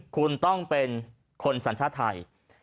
คุณต้องเป็นคนสัญชาติไทย